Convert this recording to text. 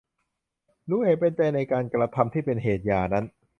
รู้เห็นเป็นใจในการกระทำที่เป็นเหตุหย่านั้น